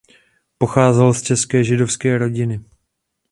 Pocházel z české židovské rodiny.